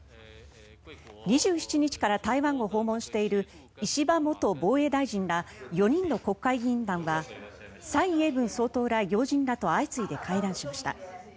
２７日から台湾を訪問している石破元防衛大臣ら４人の国会議員団は蔡英文総統ら要人らと相次いで会談しました。